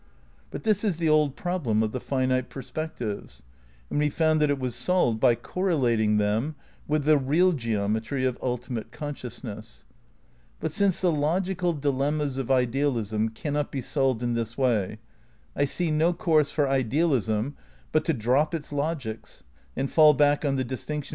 But this is the old problem of the finite perspectives, and we found that it was solved by correlating them with the "real" geometry of ultimate consciousness. But since the logical dilemmas of idealism cannot be solved in this way, I see no course for idealism but to drop its logics and fall back on the distinction be ^ Above : Chapter VI, Space, Time and Consciousness, pp.